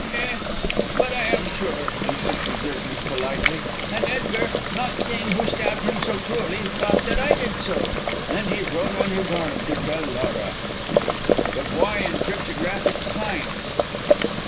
"Eh, but I am sure," insisted Zirknitz, politely; "and Edgar, not seeing who stabbed him so cruelly, thought that I did so. Then he wrote on his arm to tell Laura." "But why in cryptographic signs?"